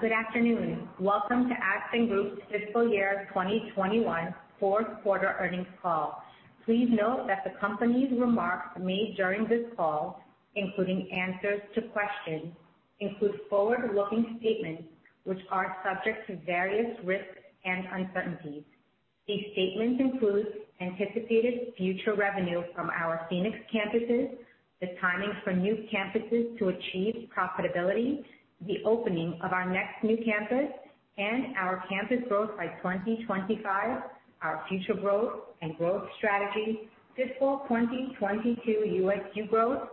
Good afternoon. Welcome to Aspen Group's fiscal year 2021 fourth quarter earnings call. Please note that the company's remarks made during this call, including answers to questions, include forward-looking statements which are subject to various risks and uncertainties. These statements include anticipated future revenue from our Phoenix campuses, the timing for new campuses to achieve profitability, the opening of our next new campus and our campus growth by 2025, our future growth and growth strategy, fiscal 2022 USU growth,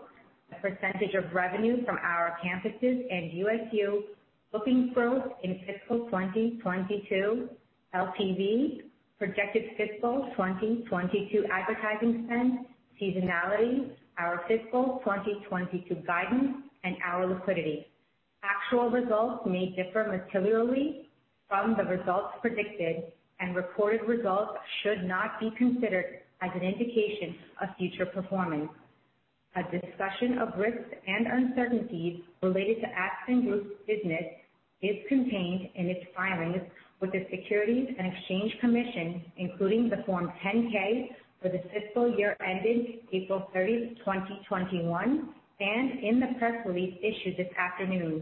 the percentage of revenue from our campuses and USU, bookings growth in fiscal 2022, LTV, projected fiscal 2022 advertising spend, seasonality, our fiscal 2022 guidance, and our liquidity. Actual results may differ materially from the results predicted, and reported results should not be considered as an indication of future performance. A discussion of risks and uncertainties related to Aspen Group's business is contained in its filings with the Securities and Exchange Commission, including the Form 10-K for the fiscal year ended April 30, 2021, and in the press release issued this afternoon.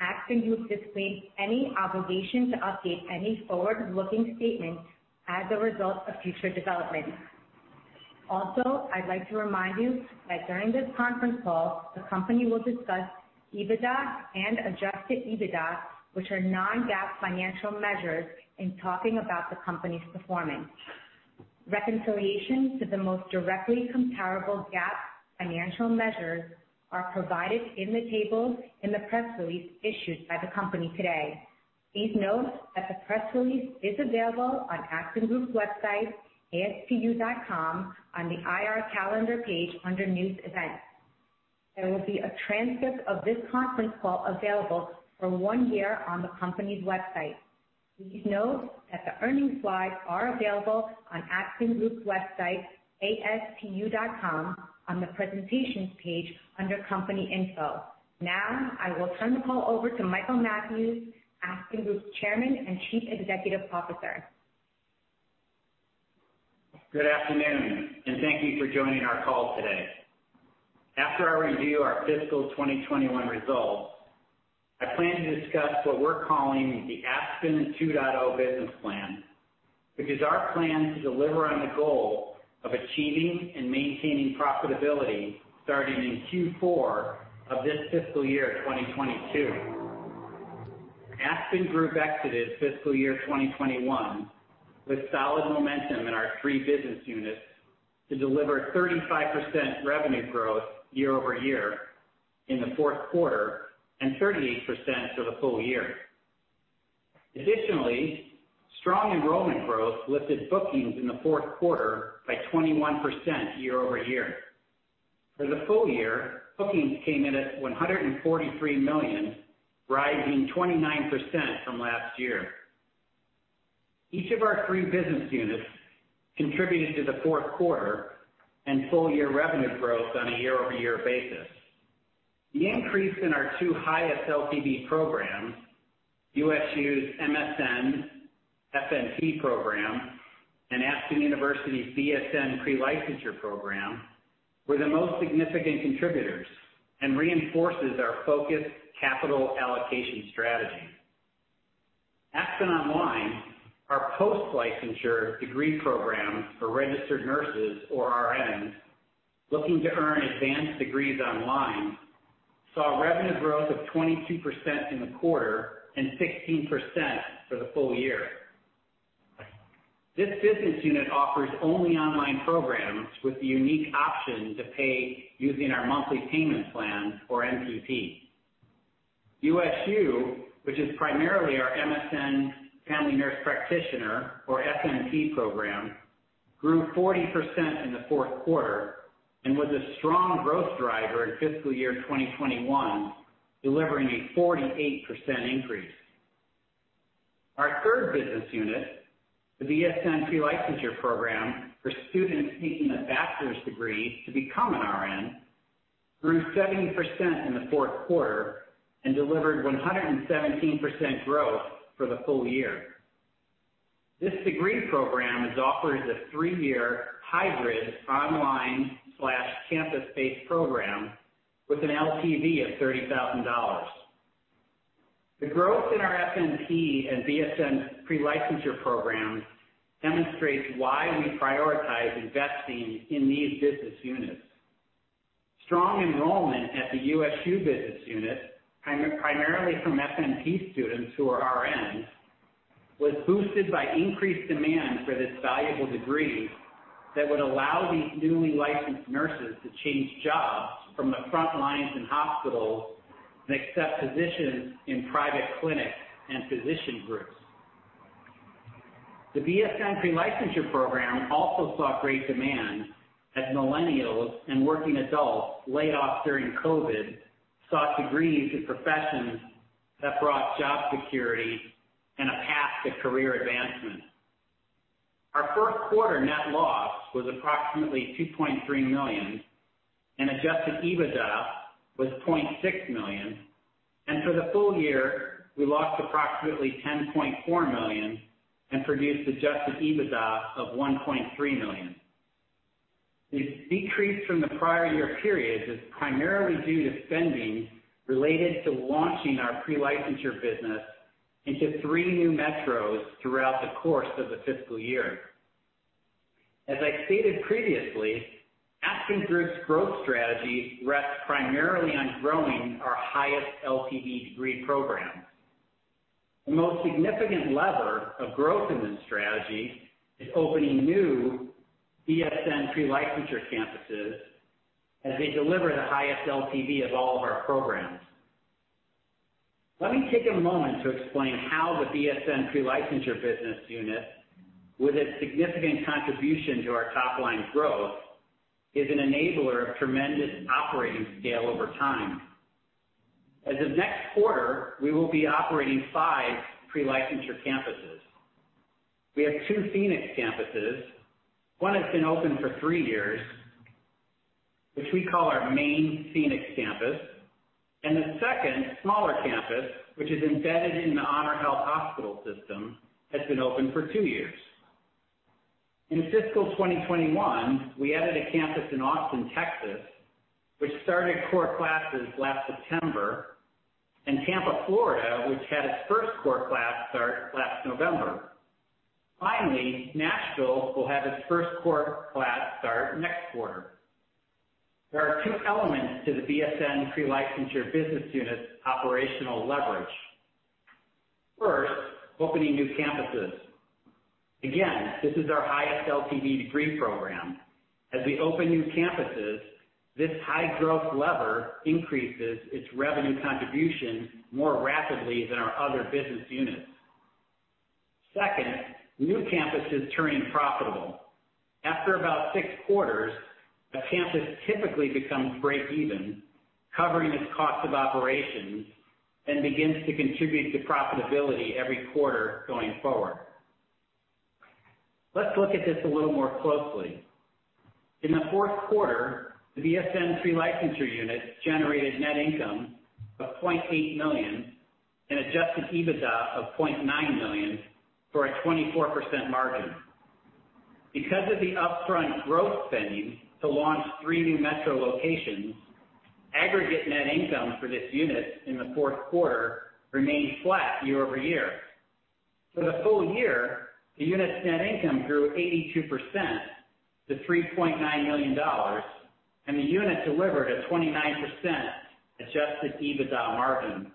Aspen Group disclaims any obligation to update any forward-looking statements as a result of future developments. I'd like to remind you that during this conference call, the company will discuss EBITDA and adjusted EBITDA, which are non-GAAP financial measures, in talking about the company's performance. Reconciliation to the most directly comparable GAAP financial measures are provided in the tables in the press release issued by the company today. Please note that the press release is available on Aspen Group's website, aspu.com, on the IR Calendar page under News Events. There will be a transcript of this conference call available for one year on the company's website. Please note that the earnings slides are available on Aspen Group's website, aspu.com, on the Presentations page under Company Info. Now, I will turn the call over to Michael Mathews, Aspen Group's Chairman and Chief Executive Officer. Good afternoon, and thank you for joining our call today. After I review our fiscal 2021 results, I plan to discuss what we're calling the Aspen 2.0 business plan, which is our plan to deliver on the goal of achieving and maintaining profitability starting in Q4 of this fiscal year 2022. Aspen Group exited fiscal year 2021 with solid momentum in our three business units to deliver 35% revenue growth year-over-year in the fourth quarter, and 38% for the full year. Additionally, strong enrollment growth lifted bookings in the fourth quarter by 21% year-over-year. For the full year, bookings came in at $143 million, rising 29% from last year. Each of our three business units contributed to the fourth quarter and full year revenue growth on a year-over-year basis. The increase in our two highest LTV programs, USU's MSN-FNP program, and Aspen University's BSN Pre-Licensure program, were the most significant contributors and reinforces our focused capital allocation strategy. Aspen Online, our post-licensure degree program for registered nurses, or RNs, looking to earn advanced degrees online, saw revenue growth of 22% in the quarter and 16% for the full year. This business unit offers only online programs with the unique option to pay using our monthly payment plan or MPP. USU, which is primarily our MSN Family Nurse Practitioner, or FNP program, grew 40% in the fourth quarter and was a strong growth driver in fiscal year 2021, delivering a 48% increase. Our third business unit, the BSN Pre-Licensure program for students seeking a bachelor's degree to become an RN, grew 70% in the fourth quarter and delivered 117% growth for the full year. This degree program is offered as a three-year hybrid online/campus-based program with an LTV of $30,000. The growth in our FNP and BSN Pre-Licensure programs demonstrates why we prioritize investing in these business units. Strong enrollment at the USU business unit, primarily from FNP students who are RNs, was boosted by increased demand for this valuable degree that would allow these newly licensed nurses to change jobs from the front lines in hospitals and accept positions in private clinics and physician groups. The BSN Pre-Licensure program also saw great demand as millennials and working adults laid off during COVID sought degrees in professions that brought job security and a path to career advancement. Our fourth quarter net loss was approximately $2.3 million and adjusted EBITDA was $0.6 million, and for the full year, we lost approximately $10.4 million and produced adjusted EBITDA of $1.3 million. This decrease from the prior year periods is primarily due to spending related to launching our pre-licensure business into three new metros throughout the course of the fiscal year. As I stated previously, Aspen Group's growth strategy rests primarily on growing our highest LTV degree programs. The most significant lever of growth in this strategy is opening new BSN Pre-Licensure campuses, as they deliver the highest LTV of all of our programs. Let me take a moment to explain how the BSN Pre-Licensure business unit, with a significant contribution to our top-line growth, is an enabler of tremendous operating scale over time. As of next quarter, we will be operating five pre-licensure campuses. We have two Phoenix campuses. One has been open for three years, which we call our main Phoenix campus, and the second smaller campus, which is embedded in the HonorHealth hospital system, has been open for two years. In fiscal 2021, we added a campus in Austin, Texas, which started core classes last September, and Tampa, Florida, which had its first core class start last November. Nashville will have its first core class start next quarter. There are two elements to the BSN Pre-Licensure business unit's operational leverage. First, opening new campuses. This is our highest LTV degree program. As we open new campuses, this high-growth lever increases its revenue contribution more rapidly than our other business units. Second, new campuses turning profitable. After about six quarters, a campus typically becomes breakeven, covering its cost of operations, and begins to contribute to profitability every quarter going forward. Let's look at this a little more closely. In the fourth quarter, the BSN Pre-Licensure unit generated net income of $0.8 million and adjusted EBITDA of $0.9 million for a 24% margin. Because of the upfront growth spending to launch three new metro locations, aggregate net income for this unit in the fourth quarter remained flat year-over-year. For the full year, the unit's net income grew 82% to $3.9 million, and the unit delivered a 29% adjusted EBITDA margin.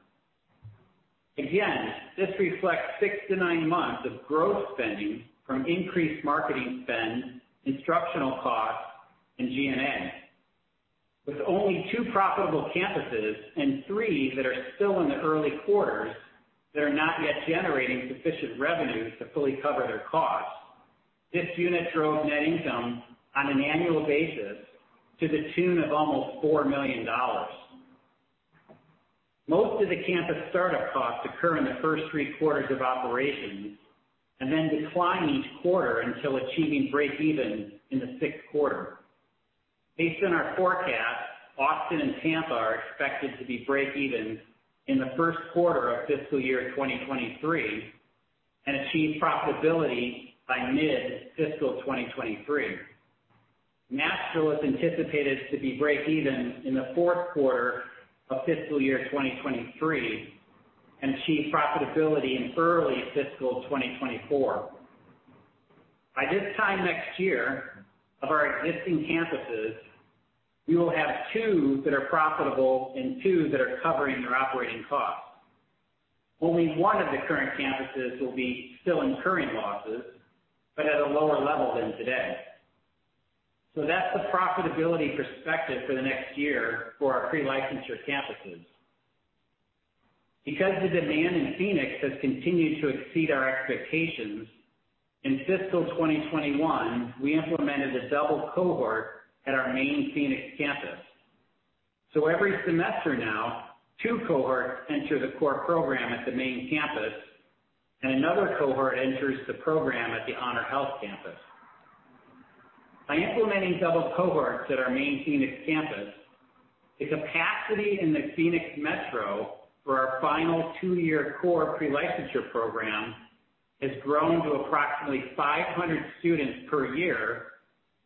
Again, this reflects six to nine months of growth spending from increased marketing spend, instructional costs, and G&A. With only two profitable campuses and three that are still in the early quarters that are not yet generating sufficient revenues to fully cover their costs, this unit drove net income on an annual basis to the tune of almost $4 million. Most of the campus startup costs occur in the first three quarters of operations and then decline each quarter until achieving breakeven in the sixth quarter. Based on our forecast, Austin and Tampa are expected to be breakeven in the first quarter of fiscal year 2023 and achieve profitability by mid-fiscal 2023. Nashville is anticipated to be breakeven in the fourth quarter of fiscal year 2023 and achieve profitability in early fiscal 2024. By this time next year, of our existing campuses, we will have two that are profitable and two that are covering their operating costs. Only one of the current campuses will be still incurring losses, but at a lower level than today. That's the profitability perspective for the next year for our pre-licensure campuses. The demand in Phoenix has continued to exceed our expectations, in fiscal 2021, we implemented a double cohort at our main Phoenix campus. Every semester now, two cohorts enter the core program at the main campus, and another cohort enters the program at the HonorHealth campus. By implementing double cohorts at our main Phoenix campus, the capacity in the Phoenix metro for our final two-year core pre-licensure program has grown to approximately 500 students per year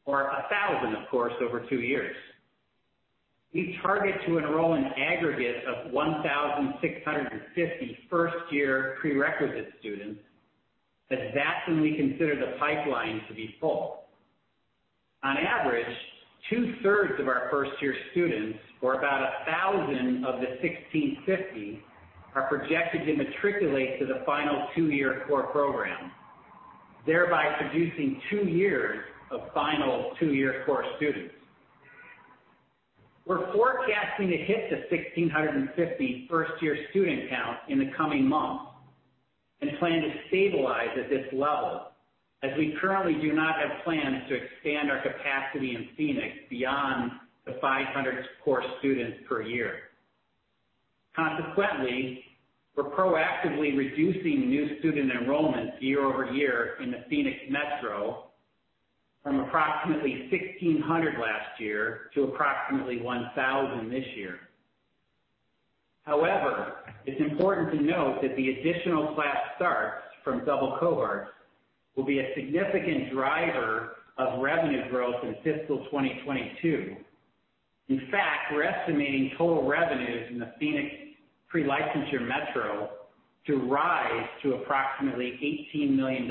or 1,000, of course, over two years. We target to enroll an aggregate of 1,650 first-year prerequisite students, as that's when we consider the pipeline to be full. On average, two-thirds of our first-year students, or about 1,000 of the 1,650, are projected to matriculate to the final two-year core program, thereby producing two years of final two-year core students. We're forecasting to hit the 1,650 first-year student count in the coming months and plan to stabilize at this level, as we currently do not have plans to expand our capacity in Phoenix beyond the 500 core students per year. Consequently, we're proactively reducing new student enrollment year-over-year in the Phoenix metro from approximately 1,600 last year to approximately 1,000 this year. However, it's important to note that the additional class starts from double cohorts will be a significant driver of revenue growth in fiscal 2022. In fact, we're estimating total revenues in the Phoenix pre-licensure metro to rise to approximately $18 million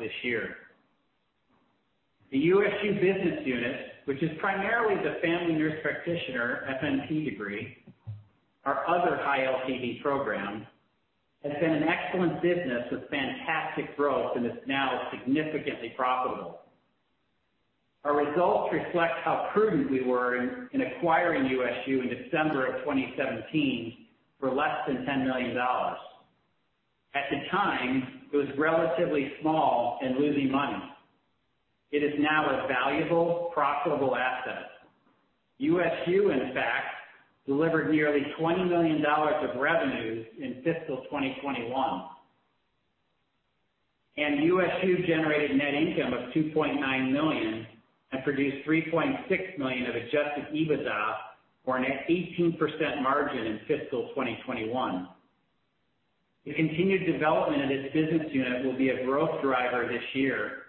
this year. The USU business unit, which is primarily the family nurse practitioner, FNP degree, our other high LTV program, has been an excellent business with fantastic growth and is now significantly profitable. Our results reflect how prudent we were in acquiring USU in December of 2017 for less than $10 million. At the time, it was relatively small and losing money. It is now a valuable, profitable asset. USU, in fact, delivered nearly $20 million of revenues in fiscal 2021. USU generated net income of $2.9 million and produced $3.6 million of adjusted EBITDA, or a net 18% margin in fiscal 2021. The continued development of this business unit will be a growth driver this year,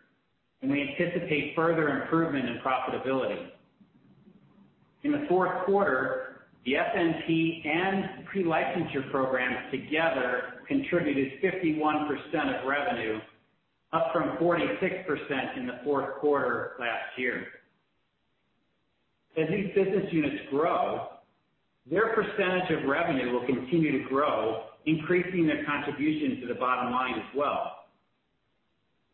and we anticipate further improvement in profitability. In the fourth quarter, the FNP and pre-licensure programs together contributed 51% of revenue, up from 46% in the fourth quarter last year. As these business units grow, their percentage of revenue will continue to grow, increasing their contribution to the bottom line as well.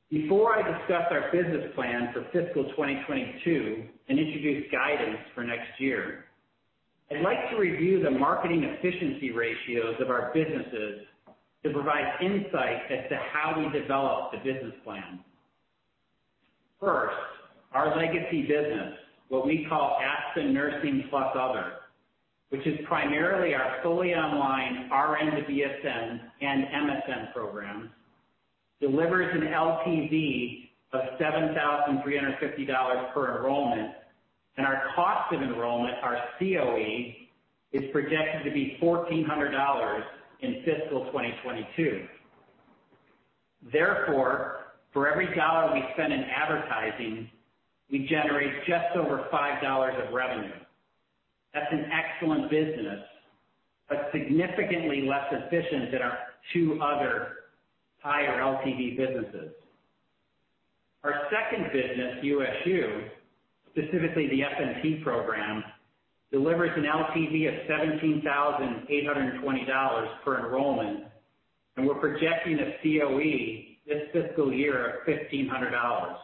Before I discuss our business plan for fiscal 2022 and introduce guidance for next year, I'd like to review the marketing efficiency ratios of our businesses to provide insight as to how we develop the business plan. First, our legacy business, what we call Aspen Nursing + Other, which is primarily our fully online RN to BSN and MSN programs, delivers an LTV of $7,350 per enrollment and our cost of enrollment, our COE, is projected to be $1,400 in fiscal 2022. Therefore, for every dollar we spend in advertising, we generate just over $5 of revenue. That's an excellent business, but significantly less efficient than our two other higher LTV businesses. Our second business, USU, specifically the FNP program, delivers an LTV of $17,820 per enrollment, and we're projecting a COE this fiscal year of $1,500.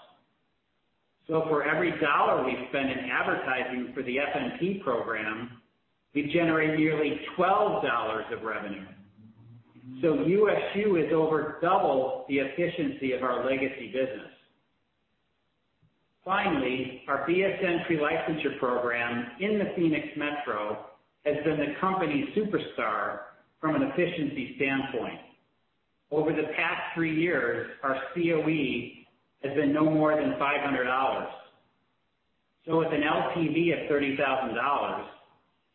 For every $1 we spend in advertising for the FNP program, we generate nearly $12 of revenue. USU is over double the efficiency of our legacy business. Finally, our BSN Pre-Licensure program in the Phoenix metro has been the company superstar from an efficiency standpoint. Over the past three years, our COE has been no more than $500. With an LTV of $30,000,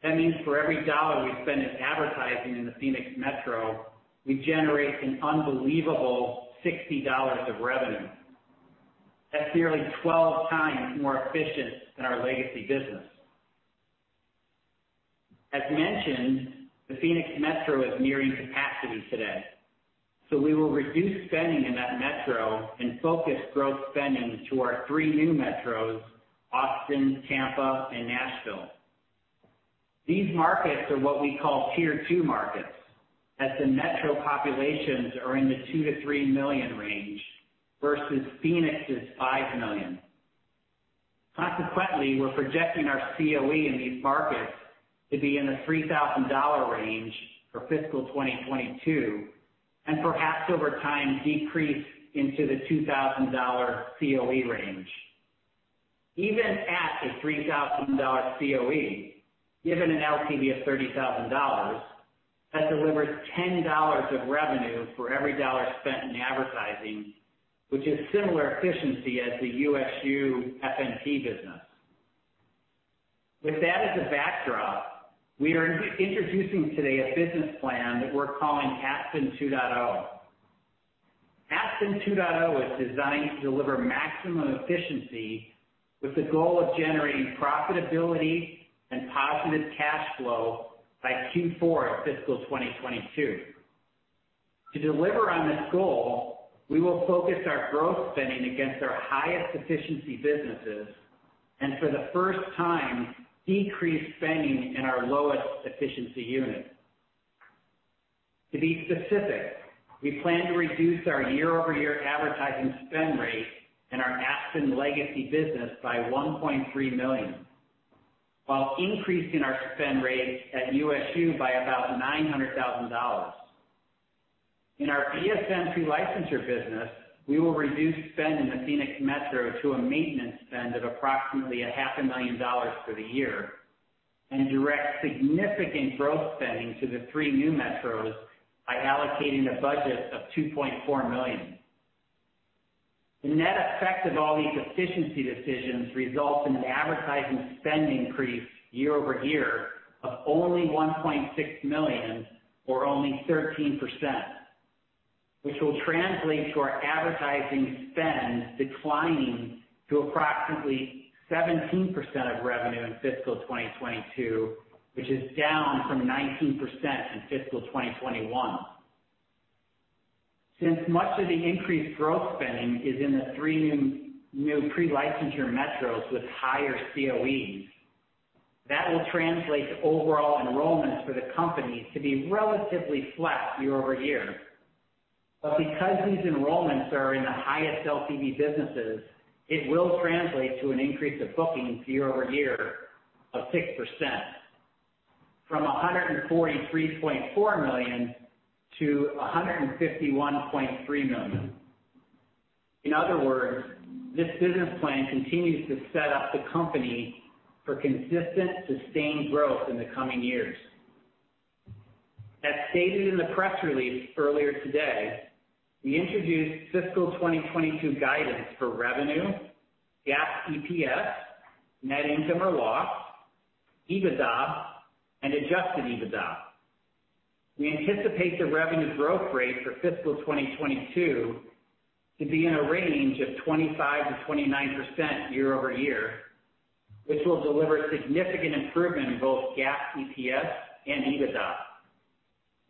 that means for every $1 we spend in advertising in the Phoenix metro, we generate an unbelievable $60 of revenue. That's nearly 12 times more efficient than our legacy business. As mentioned, the Phoenix metro is nearing capacity today. We will reduce spending in that metro and focus growth spending to our three new metros, Austin, Tampa, and Nashville. These markets are what we call Tier 2 markets, as the metro populations are in the $2 million-$3 million range versus Phoenix's $5 million. Consequently, we're projecting our COE in these markets to be in the $3,000 range for fiscal 2022 and perhaps over time decrease into the $2,000 COE range. Even at a $3,000 COE, given an LTV of $30,000, that delivers $10 of revenue for every $1 spent in advertising, which is similar efficiency as the USU FNP business. With that as a backdrop, we are introducing today a business plan that we're calling Aspen 2.0. Aspen 2.0 is designed to deliver maximum efficiency with the goal of generating profitability and positive cash flow by Q4 of fiscal 2022. To deliver on this goal, we will focus our growth spending against our highest efficiency businesses and for the first time, decrease spending in our lowest efficiency unit. To be specific, we plan to reduce our year-over-year advertising spend rate in our Aspen legacy business by $1.3 million while increasing our spend rate at USU by about $900,000. In our BSN Pre-Licensure business, we will reduce spend in the Phoenix metro to a maintenance spend of approximately a $0.5 million for the year and direct significant growth spending to the three new metros by allocating a budget of $2.4 million. The net effect of all these efficiency decisions results in an advertising spending increase year-over-year of only $1.6 million or only 13%, which will translate to our advertising spend declining to approximately 17% of revenue in fiscal 2022, which is down from 19% in fiscal 2021. Since much of the increased growth spending is in the three new pre-licensure metros with higher COEs, that will translate to overall enrollments for the company to be relatively flat year-over-year. Because these enrollments are in the highest LTV businesses, it will translate to an increase of bookings year-over-year of 6%, from $143.4 million to $151.3 million. In other words, this business plan continues to set up the company for consistent, sustained growth in the coming years. As stated in the press release earlier today, we introduced fiscal 2022 guidance for revenue, GAAP EPS, net income or loss, EBITDA, and adjusted EBITDA. We anticipate the revenue growth rate for fiscal 2022 to be in a range of 25%-29% year-over-year, which will deliver significant improvement in both GAAP EPS and EBITDA.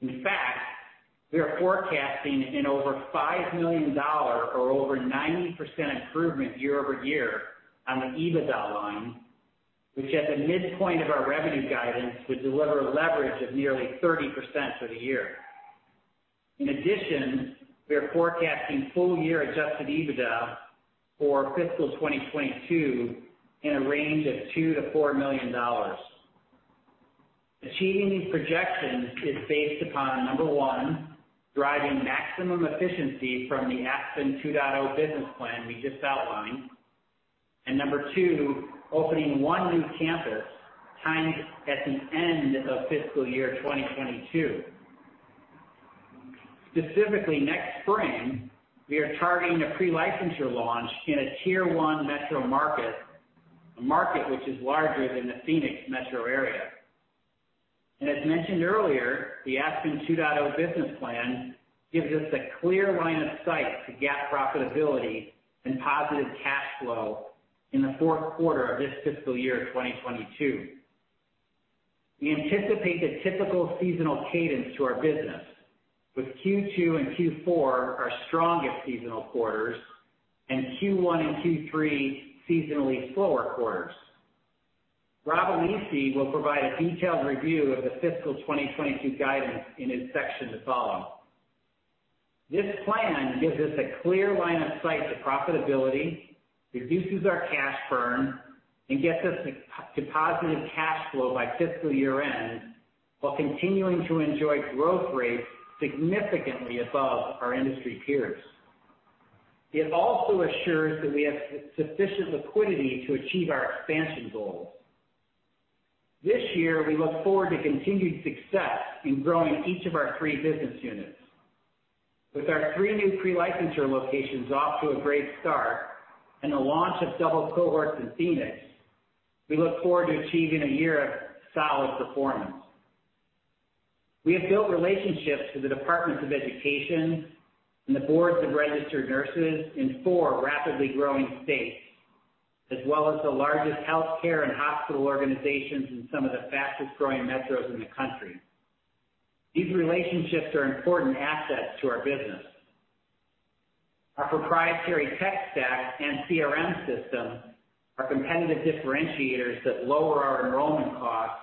In fact, we are forecasting an over $5 million or over 90% improvement year-over-year on the EBITDA line, which at the midpoint of our revenue guidance would deliver a leverage of 30% for the year. In addition, we are forecasting full year adjusted EBITDA for fiscal 2022 in a range of $2 million-$4 million. Achieving these projections is based upon, number one, driving maximum efficiency from the Aspen 2.0 business plan we just outlined, and number two, opening one new campus timed at the end of fiscal year 2022. Specifically, next spring, we are targeting a pre-licensure launch in a Tier 1 metro market, a market which is larger than the Phoenix metro area. As mentioned earlier, the Aspen 2.0 business plan gives us a clear line of sight to GAAP profitability and positive cash flow in the fourth quarter of this fiscal year 2022. We anticipate the typical seasonal cadence to our business with Q2 and Q4 our strongest seasonal quarters, and Q1 and Q3 seasonally slower quarters. Rob Alessi will provide a detailed review of the fiscal 2022 guidance in his section to follow. This plan gives us a clear line of sight to profitability, reduces our cash burn, and gets us to positive cash flow by fiscal year end while continuing to enjoy growth rates significantly above our industry peers. It also assures that we have sufficient liquidity to achieve our expansion goals. This year, we look forward to continued success in growing each of our three business units. With our three new pre-licensure locations off to a great start and the launch of double cohorts in Phoenix, we look forward to achieving a year of solid performance. We have built relationships with the departments of education and the boards of registered nurses in four rapidly growing states, as well as the largest healthcare and hospital organizations in some of the fastest-growing metros in the country. These relationships are important assets to our business. Our proprietary tech stack and CRM system are competitive differentiators that lower our enrollment costs,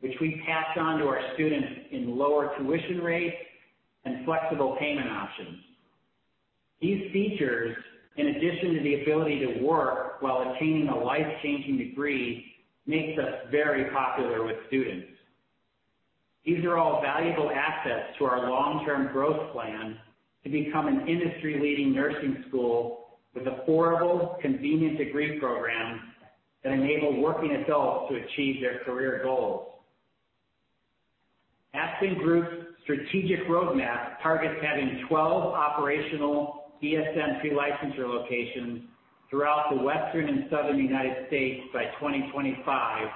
which we pass on to our students in lower tuition rates and flexible payment options. These features, in addition to the ability to work while attaining a life-changing degree, makes us very popular with students. These are all valuable assets to our long-term growth plan to become an industry-leading nursing school with affordable, convenient degree programs that enable working adults to achieve their career goals. Aspen Group's strategic roadmap targets having 12 operational BSN Pre-Licensure locations throughout the Western and Southern United States by 2025,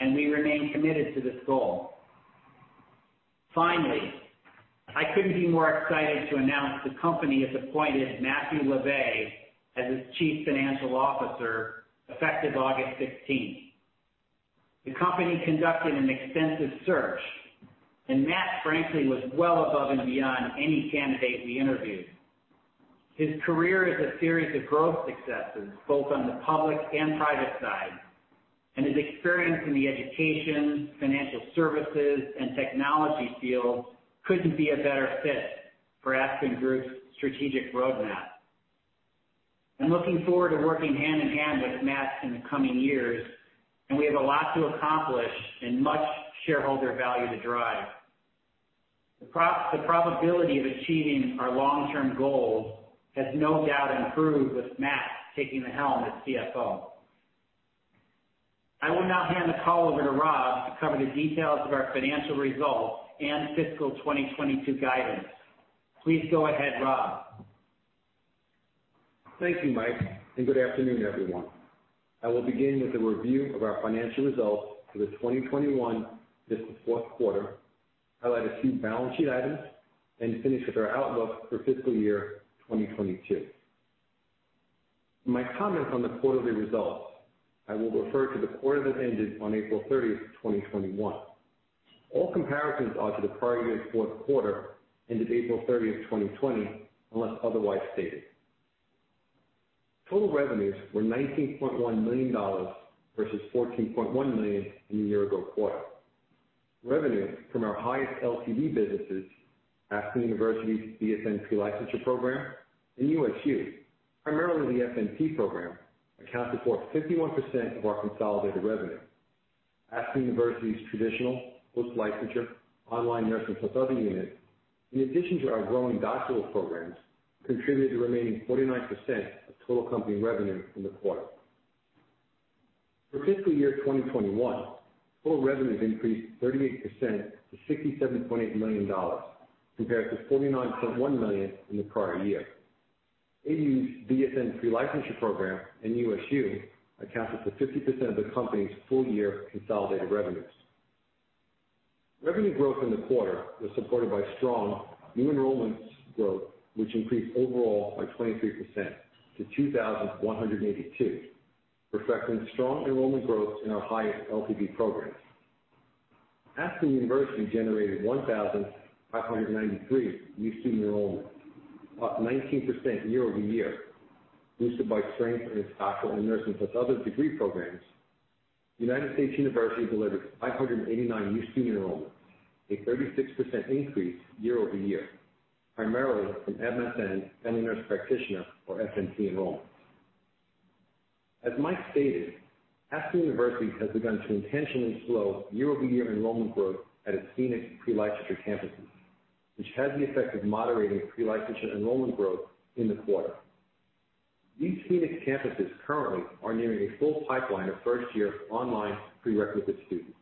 and we remain committed to this goal. Finally, I couldn't be more excited to announce the company has appointed Matthew LaVay as its Chief Financial Officer effective August 16th. The company conducted an extensive search, and Matt frankly was well above and beyond any candidate we interviewed. His career is a series of growth successes, both on the public and private side, and his experience in the education, financial services, and technology fields couldn't be a better fit for Aspen Group's strategic roadmap. I'm looking forward to working hand in hand with Matt in the coming years, and we have a lot to accomplish and much shareholder value to drive. The probability of achieving our long-term goals has no doubt improved with Matt taking the helm as CFO. I will now hand the call over to Rob to cover the details of our financial results and fiscal 2022 guidance. Please go ahead, Rob. Thank you, Mike. Good afternoon, everyone. I will begin with a review of our financial results for the 2021 fiscal fourth quarter, highlight a few balance sheet items, and finish with our outlook for fiscal year 2022. My comments on the quarterly results, I will refer to the quarter that ended on April 30th, 2021. All comparisons are to the prior year's fourth quarter ended April 30th, 2020, unless otherwise stated. Total revenues were $19.1 million versus $14.1 million in the year-ago quarter. Revenues from our highest LTV businesses, Aspen University's BSN Pre-Licensure program and USU, primarily the FNP program, accounted for 51% of our consolidated revenue. Aspen University's traditional post-licensure online nursing + other units, in addition to our growing bachelor's programs, contributed to the remaining 49% of total company revenue in the quarter. For fiscal year 2021, total revenues increased 38% to $67.8 million compared to $49.1 million in the prior year. AU's BSN Pre-Licensure program and USU accounted for 50% of the company's full-year consolidated revenues. Revenue growth in the quarter was supported by strong new enrollments growth, which increased overall by 23% to 2,182, reflecting strong enrollment growth in our highest LTV programs. Aspen University generated 1,593 new student enrollments, up 19% year-over-year, boosted by strength in its Aspen Nursing + Other degree programs. United States University delivered 589 new student enrollments, a 36% increase year-over-year, primarily from MSN-Family Nurse Practitioner or FNP enrollments. As Mike stated, Aspen University has begun to intentionally slow year-over-year enrollment growth at its Phoenix pre-licensure campuses, which had the effect of moderating pre-licensure enrollment growth in the quarter. These Phoenix campuses currently are nearing a full pipeline of first-year online prerequisite students.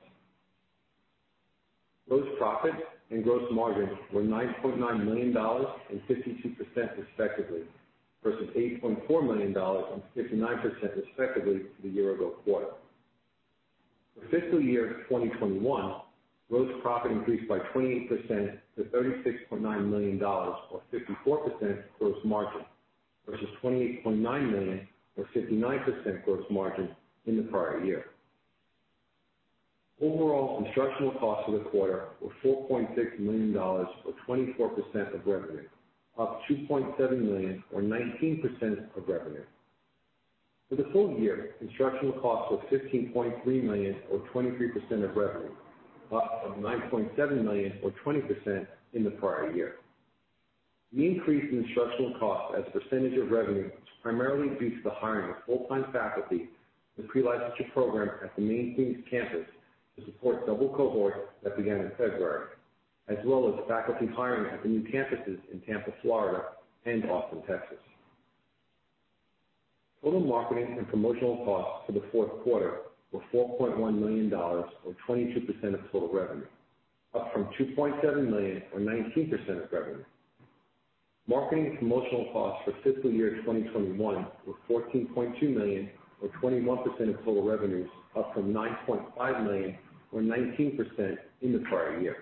Gross profit and gross margins were $9.9 million and 52%, respectively, versus $8.4 million and 59%, respectively, for the year-ago quarter. For fiscal year 2021, gross profit increased by 28% to $36.9 million or 54% gross margin versus $28.9 million or 59% gross margin in the prior year. Overall instructional costs for the quarter were $4.6 million or 24% of revenue, up $2.7 million or 19% of revenue. For the full year, instructional costs were $15.3 million or 23% of revenue, up from $9.7 million or 20% in the prior year. The increase in instructional cost as a percentage of revenue is primarily due to the hiring of full-time faculty in pre-licensure programs at the main Phoenix campus to support double cohorts that began in February, as well as faculty hiring at the new campuses in Tampa, Florida, and Austin, Texas. Total marketing and promotional costs for the fourth quarter were $4.1 million or 22% of total revenue, up from $2.7 million or 19% of revenue. Marketing and promotional costs for fiscal year 2021 were $14.2 million or 21% of total revenues, up from $9.5 million or 19% in the prior year.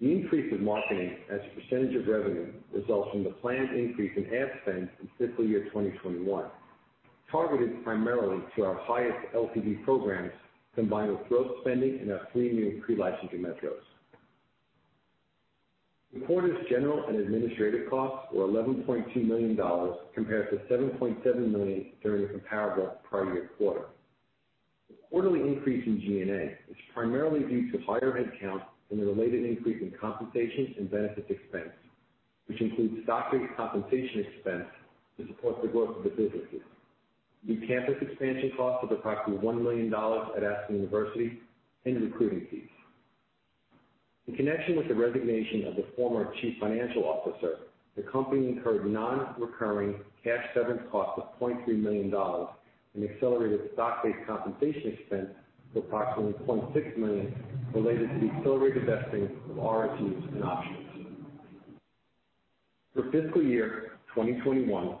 The increase in marketing as a percentage of revenue results from the planned increase in ad spend in fiscal year 2021, targeted primarily to our highest LTV programs, combined with growth spending in our three new pre-licensure metros. The quarter's general and administrative costs were $11.2 million compared to $7.7 million during the comparable prior year quarter. The quarterly increase in G&A is primarily due to higher head count and the related increase in compensation and benefits expense, which includes stock-based compensation expense to support the growth of the businesses. New campus expansion costs are approximately $1 million at Aspen University and recruiting fees. In connection with the resignation of the former Chief Financial Officer, the company incurred non-recurring cash severance costs of $0.3 million and accelerated stock-based compensation expense of approximately $0.6 million related to the accelerated vesting of RSUs and options. For fiscal year 2021,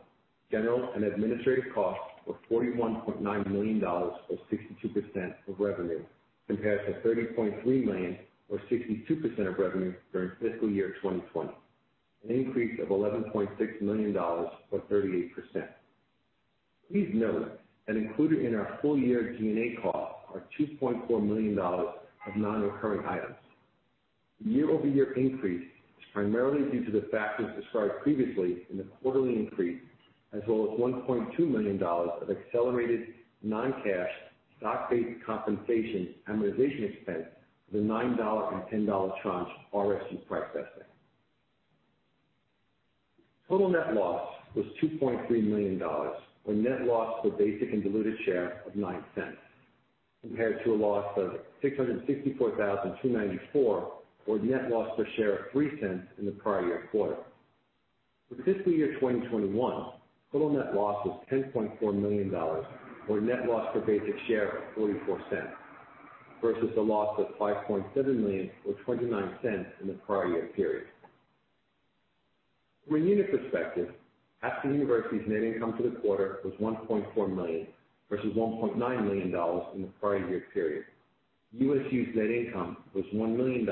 general and administrative costs were $41.9 million or 62% of revenue, compared to $30.3 million or 62% of revenue during fiscal year 2020, an increase of $11.6 million or 38%. Please note that included in our full-year G&A cost are $2.4 million of non-recurring items. The year-over-year increase is primarily due to the factors described previously in the quarterly increase, as well as $1.2 million of accelerated non-cash stock-based compensation amortization expense with a $9 and $10 tranche of RSU price vesting. Total net loss was $2.3 million, or net loss per basic and diluted share of $0.09, compared to a loss of $664,294, or net loss per share of $0.03 in the prior year quarter. For fiscal year 2021, total net loss was $10.4 million, or net loss per basic share of $0.44, versus a loss of $5.7 million or $0.29 in the prior year period. From a unit perspective, Aspen University's net income for the quarter was $1.4 million, versus $1.9 million in the prior year period. USU's net income was $1 million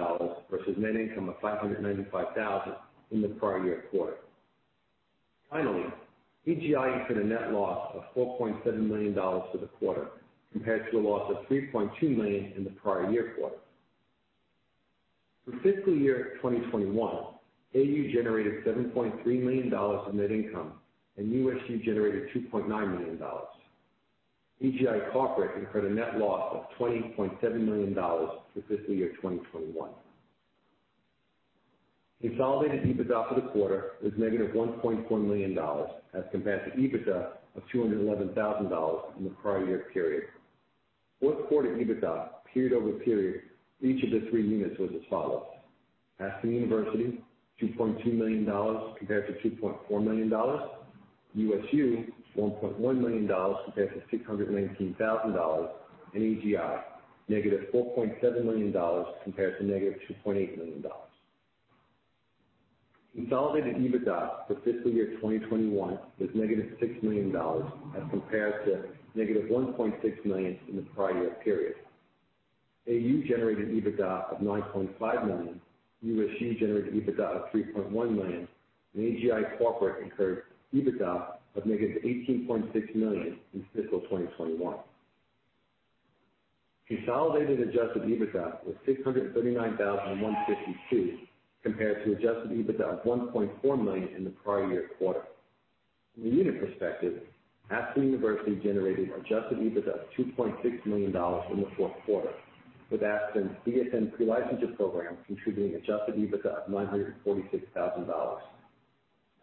versus net income of $595,000 in the prior year quarter. Finally, AGI incurred a net loss of $4.7 million for the quarter, compared to a loss of $3.2 million in the prior year quarter. For fiscal year 2021, AU generated $7.3 million in net income, and USU generated $2.9 million. AGI corporate incurred a net loss of $20.7 million for fiscal year 2021. Consolidated EBITDA for the quarter was -$1.1 million, as compared to EBITDA of $211,000 in the prior year period. Fourth quarter EBITDA, period over period, each of the three units was as follows: Aspen University, $2.2 million compared to $2.4 million. USU, $1.1 million compared to $619,000. AGI, -$4.7 million compared to -$2.8 million. Consolidated EBITDA for fiscal year 2021 was -$6 million as compared to -$1.6 million in the prior year period. AU generated EBITDA of $9.5 million, USU generated EBITDA of $3.1 million, and AGI corporate incurred EBITDA of -$18.6 million in fiscal 2021. Consolidated adjusted EBITDA was $639,152, compared to adjusted EBITDA of $1.4 million in the prior year quarter. From a unit perspective, Aspen University generated adjusted EBITDA of $2.6 million in the fourth quarter, with Aspen's BSN Pre-Licensure program contributing adjusted EBITDA of $946,000.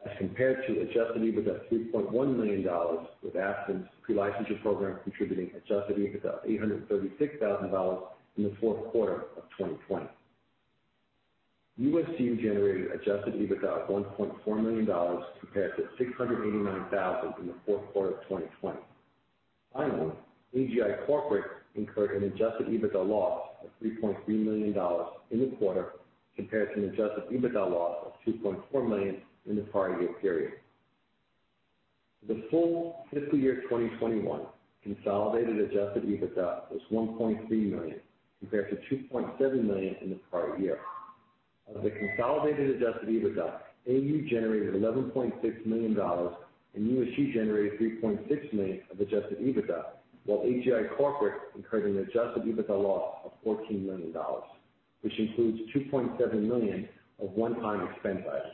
As compared to adjusted EBITDA of $3.1 million, with Aspen's Pre-Licensure program contributing adjusted EBITDA of $836,000 in the fourth quarter of 2020. USU generated adjusted EBITDA of $1.4 million compared to $689,000 in the fourth quarter of 2020. Finally, AGI corporate incurred an adjusted EBITDA loss of $3.3 million in the quarter compared to an adjusted EBITDA loss of $2.4 million in the prior year period. For the full fiscal year 2021, consolidated adjusted EBITDA was $1.3 million compared to $2.7 million in the prior year. Of the consolidated adjusted EBITDA, AU generated $11.6 million and USU generated $3.6 million of adjusted EBITDA, while AGI corporate incurred an adjusted EBITDA loss of $14 million, which includes $2.7 million of one-time expense items.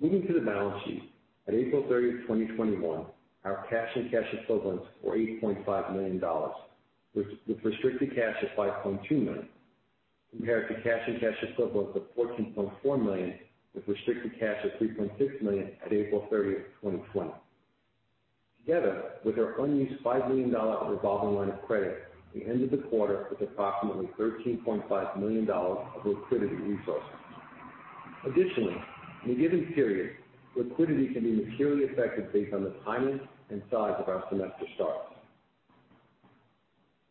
Moving to the balance sheet, at April 30th, 2021, our cash and cash equivalents were $8.5 million, with restricted cash of $5.2 million, compared to cash and cash equivalents of $14.4 million, with restricted cash of $3.6 million at April 30th, 2020. Together with our unused $5 million revolving line of credit, we ended the quarter with approximately $13.5 million of liquidity resources. Additionally, in a given period, liquidity can be materially affected based on the timing and size of our semester starts.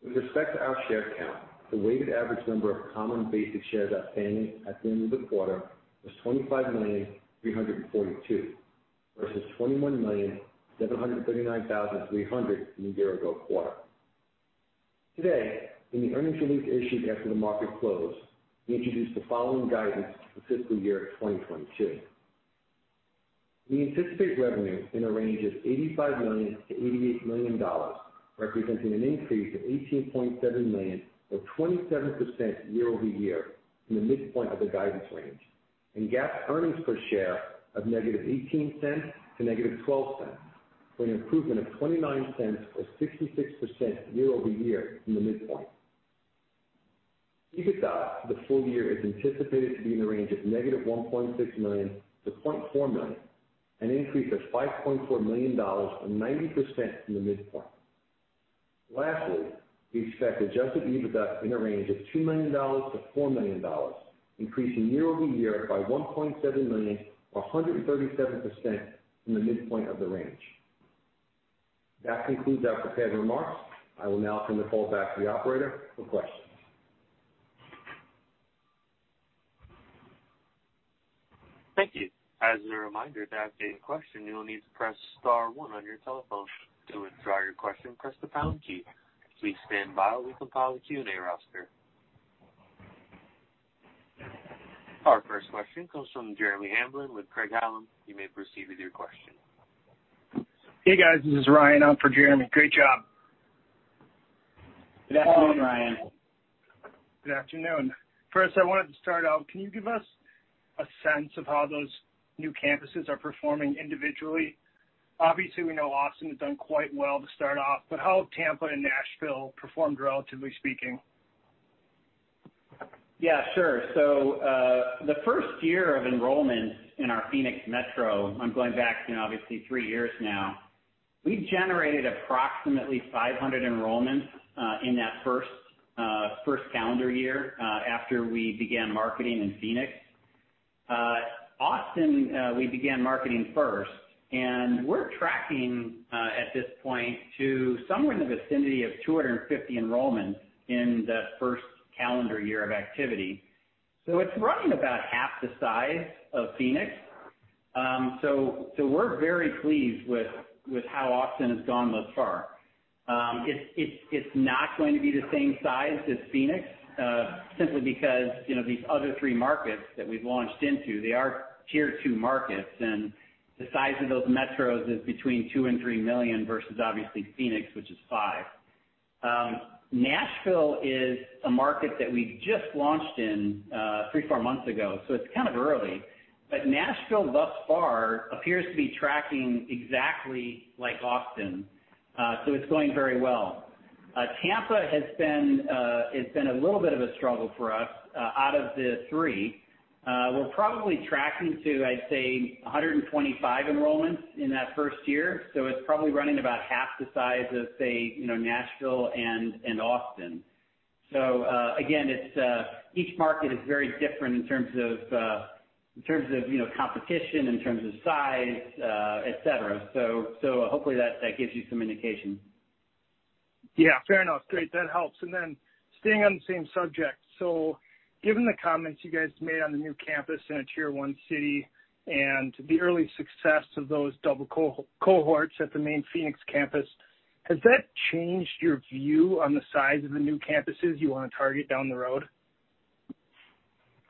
With respect to our share count, the weighted average number of common basic shares outstanding at the end of the quarter was 25,000,342, versus 21,739,300 in the year-ago quarter. Today, in the earnings release issued after the market closed, we introduced the following guidance for fiscal year 2022. We anticipate revenue in a range of $85 million-$88 million, representing an increase of $18.7 million or 27% year-over-year from the midpoint of the guidance range, and GAAP earnings per share of $-0.18 to $-0.12, for an improvement of $0.29 or 66% year-over-year from the midpoint. EBITDA for the full year is anticipated to be in the range of -$1.6 million to $0.4 million, an increase of $5.4 million, or 90% from the midpoint. Lastly, we expect adjusted EBITDA in a range of $2 million-$4 million, increasing year-over-year by $1.7 million or 137% from the midpoint of the range. That concludes our prepared remarks. I will now turn the call back to the operator for questions. Thank you. As a reminder, to ask a question you will need to press star one on your telephone. To withdraw your question, press the pound key. Please stand by while we compile the Q&A roster. Our first question comes from Jeremy Hamblin with Craig-Hallum. You may proceed with your question. Hey guys, this is Ryan. I'm for Jeremy. Great job. Good afternoon, Ryan. Good afternoon. First, I wanted to start out, can you give us a sense of how those new campuses are performing individually? Obviously, we know Austin has done quite well to start off, but how have Tampa and Nashville performed, relatively speaking? Yeah, sure. The first year of enrollment in our Phoenix metro, I'm going back obviously three years now, we generated approximately 500 enrollments in that first calendar year after we began marketing in Phoenix. Austin, we began marketing first, and we're tracking at this point to somewhere in the vicinity of 250 enrollments in the first calendar year of activity. It's running about half the size of Phoenix. We're very pleased with how Austin has gone thus far. It's not going to be the same size as Phoenix, simply because these other three markets that we've launched into, they are Tier 2 markets, and the size of those metros is between 2 million and 3 million versus obviously Phoenix, which is 5 million. Nashville is a market that we just launched in three, four months ago, so it's kind of early. Nashville thus far appears to be tracking exactly like Austin. It's going very well. Tampa has been a little bit of a struggle for us out of the three. We're probably tracking to, I'd say, 125 enrollments in that first year, so it's probably running about half the size of, say, Nashville and Austin. Again, each market is very different in terms of competition, in terms of size, et cetera. Hopefully that gives you some indication. Yeah, fair enough. Great. That helps. Staying on the same subject, given the comments you guys made on the new campus in a Tier 1 city and the early success of those double cohorts at the main Phoenix campus, has that changed your view on the size of the new campuses you want to target down the road?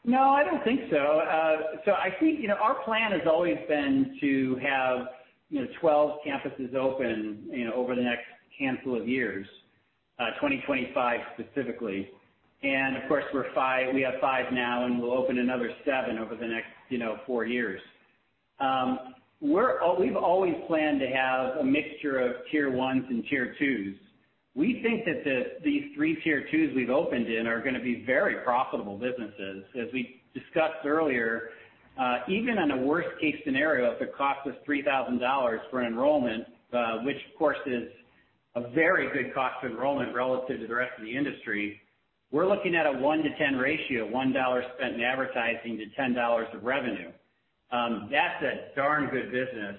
No, I don't think so. I think our plan has always been to have 12 campuses open over the next handful of years, 2025 specifically. Of course, we have five now, and we'll open another seven over the next four years. We've always planned to have a mixture of Tier 1s and Tier 2s. We think that these three Tier 2s we've opened in are going to be very profitable businesses. As we discussed earlier, even on a worst-case scenario, if it costs us $3,000 for enrollment, which of course is a very good cost of enrollment relative to the rest of the industry, we're looking at a 1:10 ratio, $1 spent in advertising to $10 of revenue. That's a darn good business.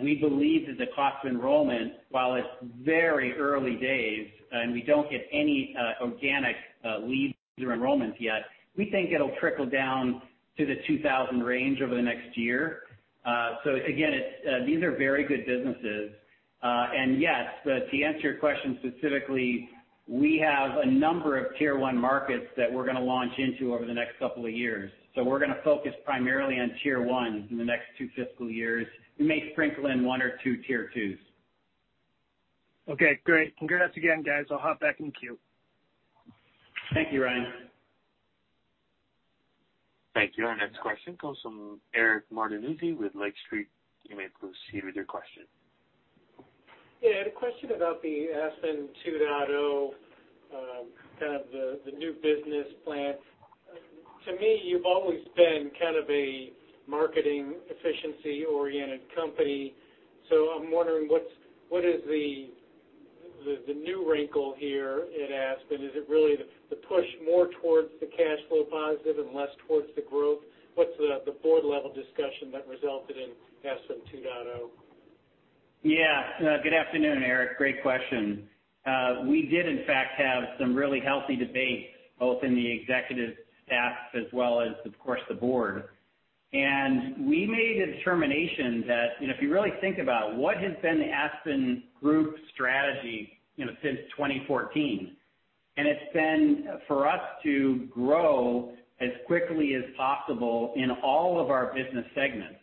We believe that the cost of enrollment, while it's very early days and we don't get any organic leads or enrollments yet, we think it'll trickle down to the $2,000 range over the next year. Again, these are very good businesses. Yes, but to answer your question specifically, we have a number of Tier 1 markets that we're going to launch into over the next couple of years. We're going to focus primarily on Tier 1 in the next two fiscal years. We may sprinkle in one or two Tier 2s. Okay, great. Congrats again, guys. I'll hop back in queue. Thank you, Ryan. Thank you. Our next question comes from Eric Martinuzzi with Lake Street. You may proceed with your question. Yeah, I had a question about the Aspen 2.0, kind of the new business plan. To me, you've always been kind of a marketing efficiency-oriented company. I'm wondering, what is the new wrinkle here at Aspen? Is it really the push more towards the cash flow positive and less towards the growth? What's the Board-level discussion that resulted in Aspen 2.0? Yeah. Good afternoon, Eric. Great question. We did in fact have some really healthy debates, both in the executive staff as well as, of course, the Board. We made a determination that if you really think about what has been the Aspen Group strategy since 2014, and it's been for us to grow as quickly as possible in all of our business segments.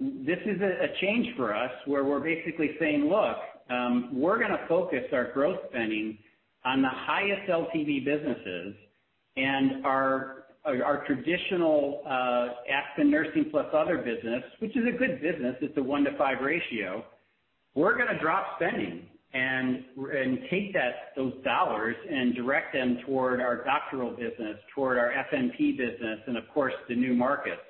This is a change for us, where we're basically saying, "Look, we're going to focus our growth spending on the highest LTV businesses and our traditional Aspen Nursing + Other business," which is a good business. It's a 1:5 ratio. We're going to drop spending and take those dollars and direct them toward our doctoral business, toward our FNP business, and of course, the new markets.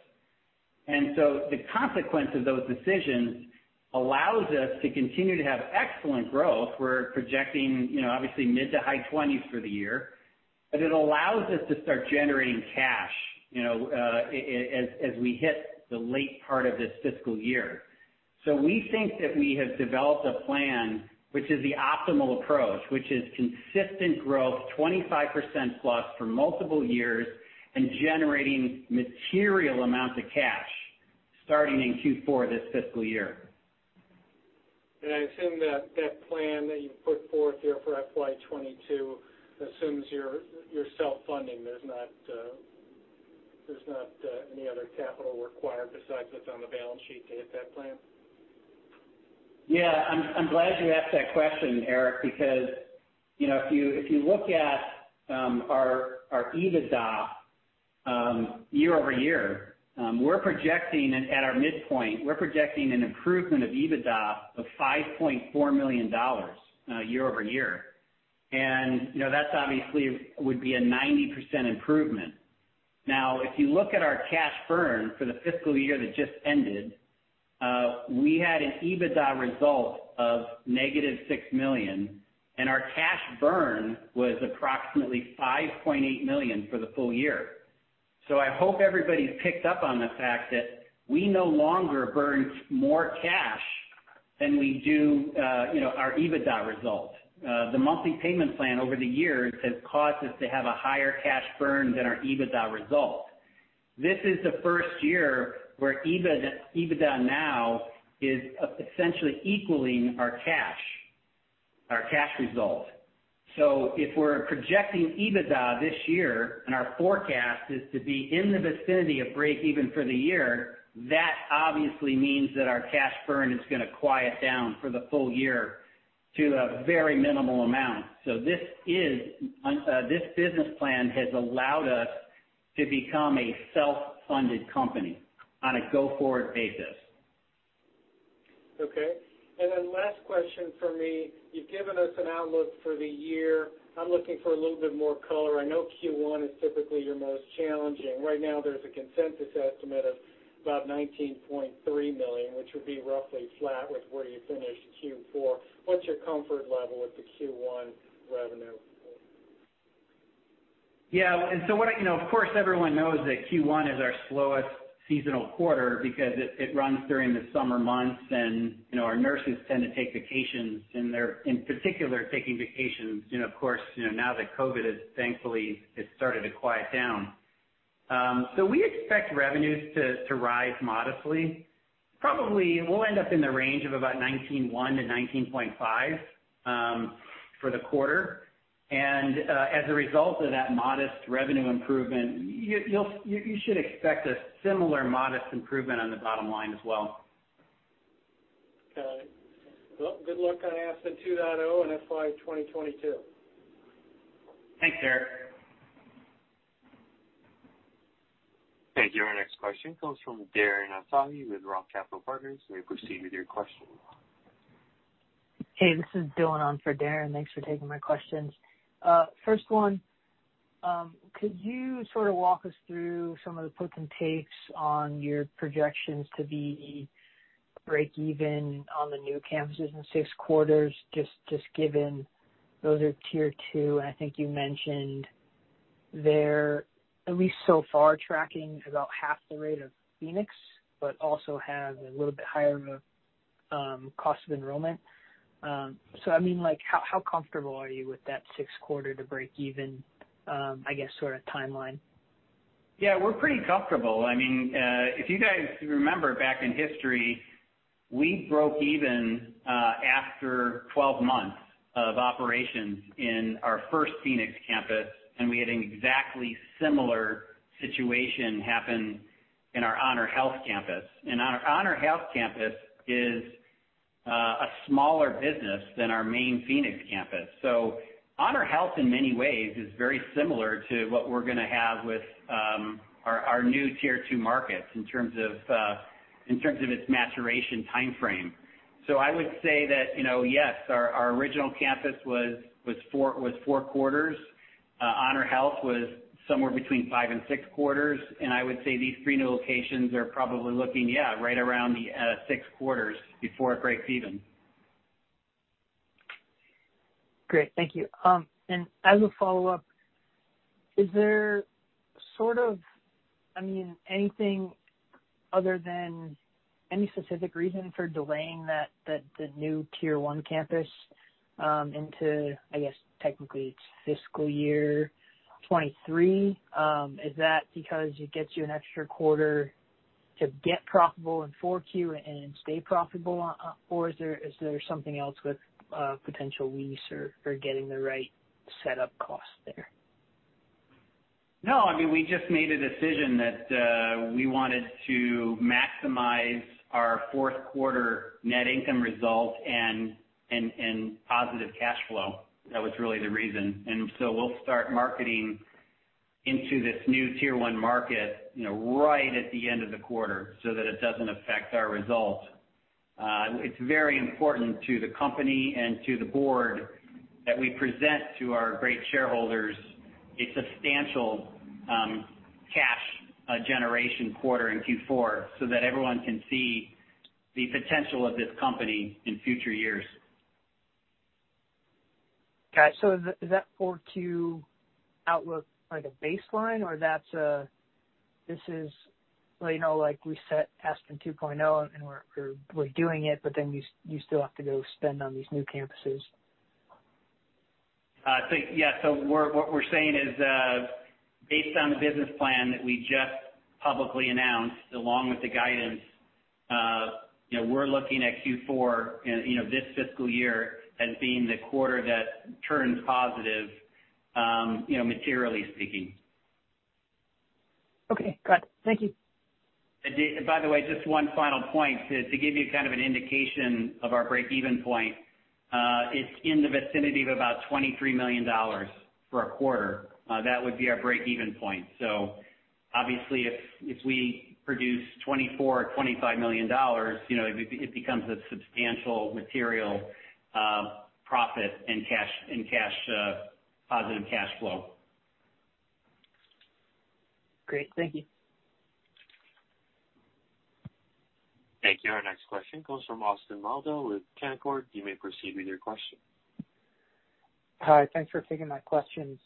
The consequence of those decisions allows us to continue to have excellent growth. We're projecting obviously mid-to-high 20s for the year. It allows us to start generating cash as we hit the late part of this fiscal year. We think that we have developed a plan which is the optimal approach, which is consistent growth, 25%+ for multiple years, and generating material amounts of cash starting in Q4 this fiscal year. I assume that plan that you put forth there for FY 2022 assumes you're self-funding. There's not any other capital required besides what's on the balance sheet to hit that plan? Yeah. I'm glad you asked that question, Eric, because if you look at our EBITDA year-over-year, at our midpoint, we're projecting an improvement of EBITDA of $5.4 million year-over-year. That obviously would be a 90% improvement. If you look at our cash burn for the fiscal year that just ended, we had an EBITDA result of -$6 million, and our cash burn was approximately $5.8 million for the full year. I hope everybody's picked up on the fact that we no longer burn more cash than our EBITDA result. The monthly payment plan over the years has caused us to have a higher cash burn than our EBITDA result. This is the first year where EBITDA now is essentially equaling our cash result. If we're projecting EBITDA this year, and our forecast is to be in the vicinity of breakeven for the year, that obviously means that our cash burn is going to quiet down for the full year to a very minimal amount. This business plan has allowed us to become a self-funded company on a go-forward basis. Okay. Last question from me. You've given us an outlook for the year. I'm looking for a little bit more color. I know Q1 is typically your most challenging. Right now there's a consensus estimate of about $19.3 million, which would be roughly flat with where you finished Q4. What's your comfort level with the Q1 revenue? Of course, everyone knows that Q1 is our slowest seasonal quarter because it runs during the summer months, and our nurses tend to take vacations, in particular taking vacations, of course, now that COVID has thankfully started to quiet down. We expect revenues to rise modestly. Probably, we'll end up in the range of about $19.1 million-$19.5 million for the quarter. As a result of that modest revenue improvement, you should expect a similar modest improvement on the bottom line as well. Okay. Well, good luck on Aspen 2.0 and FY 2022. Thanks, Eric. Thank you. Our next question comes from Darren Aftahi with ROTH Capital Partners. We proceed with your question. Hey, this is Dillon on for Darren. Thanks for taking my questions. First one, could you sort of walk us through some of the puts and takes on your projections to be breakeven on the new campuses in six quarters, just given those are Tier 2? I think you mentioned they're at least so far tracking about half the rate of Phoenix, but also have a little bit higher of a cost of enrollment. How comfortable are you with that six quarter to breakeven, I guess sort of timeline? Yeah, we're pretty comfortable. If you guys remember back in history, we broke even after 12 months of operations in our first Phoenix campus, we had an exactly similar situation happen in our HonorHealth campus. Our HonorHealth campus is a smaller business than our main Phoenix campus. HonorHealth in many ways is very similar to what we're going to have with our new Tier 2 markets in terms of its maturation timeframe. I would say that, yes, our original campus was four quarters. HonorHealth was somewhere between five and six quarters, and I would say these three new locations are probably looking, yeah, right around the six quarters before it breaks even. Great. Thank you. As a follow-up, is there anything other than any specific reason for delaying the new Tier 1 campus into, I guess technically it's fiscal year 2023? Is that because it gets you an extra quarter to get profitable in 4Q and stay profitable, or is there something else with potential lease or getting the right set up costs there? No, we just made a decision that we wanted to maximize our fourth quarter net income result and positive cash flow. That was really the reason. We'll start marketing into this new Tier 1 market right at the end of the quarter so that it doesn't affect our result. It's very important to the company and to the Board that we present to our great shareholders a substantial cash generation quarter in Q4 so that everyone can see the potential of this company in future years. Got you. Is that 4Q outlook like a baseline, or this is like we set Aspen 2.0 and we're doing it, but then you still have to go spend on these new campuses? Yeah. What we're saying is based on the business plan that we just publicly announced, along with the guidance, we're looking at Q4 this fiscal year as being the quarter that turns positive materially speaking. Okay, got it. Thank you. By the way, just one final point. To give you an indication of our break-even point, it's in the vicinity of about $23 million for a quarter. That would be our break-even point. Obviously, if we produce $24 million or $25 million, it becomes a substantial material profit and positive cash flow. Great. Thank you. Thank you. Our next question comes from Austin Moldow with Canaccord. You may proceed with your question. Hi. Thanks for taking my questions.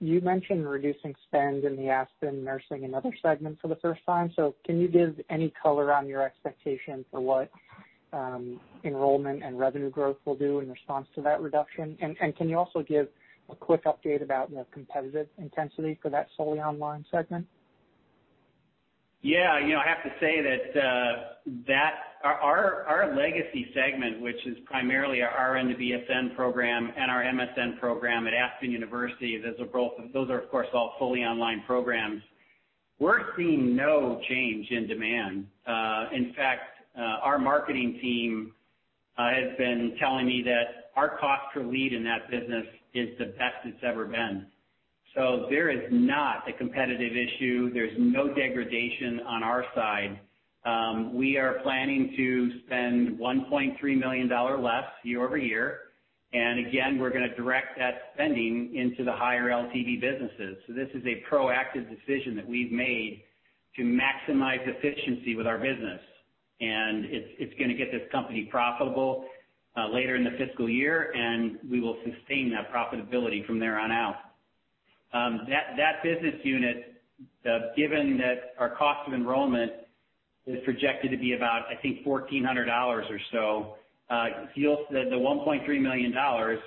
You mentioned reducing spend in the Aspen Nursing and Other segments for the first time. Can you give any color on your expectation for what enrollment and revenue growth will do in response to that reduction? Can you also give a quick update about the competitive intensity for that solely online segment? Yeah. I have to say that our legacy segment, which is primarily our RN to BSN program and our MSN program at Aspen University, those are, of course, all fully online programs. We're seeing no change in demand. In fact, our marketing team has been telling me that our cost per lead in that business is the best it's ever been. There is not a competitive issue. There's no degradation on our side. We are planning to spend $1.3 million less year-over-year. Again, we're going to direct that spending into the higher LTV businesses. This is a proactive decision that we've made to maximize efficiency with our business, and it's going to get this company profitable later in the fiscal year, and we will sustain that profitability from there on out. That business unit, given that our cost of enrollment is projected to be about, I think, $1,400 or so, the $1.3 million,